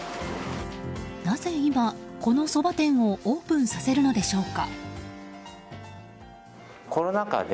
なぜ今、このそば店をオープンさせるのでしょうか。